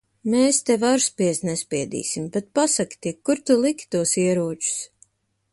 Mēs tev ar spiest nespiedīsim. Bet pasaki tik, kur tu liki tos ieročus?